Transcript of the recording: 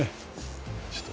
ちょっと。